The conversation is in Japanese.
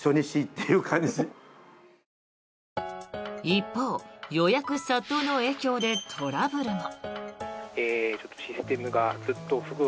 一方、予約殺到の影響でトラブルも。